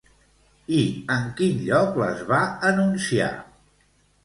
I en quin lloc les va anunciar?